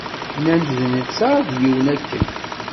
Nnan-d d netta i d yiwen akken